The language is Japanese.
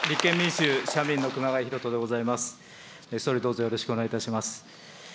総理、どうぞよろしくお願いいたします。